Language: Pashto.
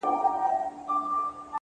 هوډ ستړې لارې لنډوي,